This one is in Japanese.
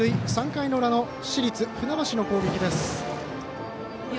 ３回の裏、市立船橋の攻撃です。